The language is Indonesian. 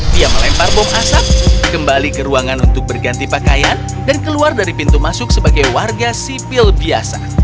dia melempar bom asap kembali ke ruangan untuk berganti pakaian dan keluar dari pintu masuk sebagai warga sipil biasa